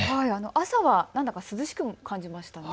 朝はなんだか涼しくも感じました。